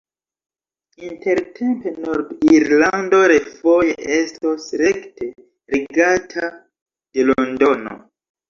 Intertempe Nord-Irlando refoje estos rekte regata de Londono.